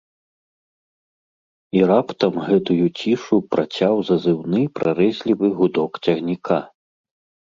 І раптам гэтую цішу працяў зазыўны прарэзлівы гудок цягніка.